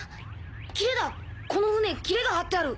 キレだこの船キレがはってある。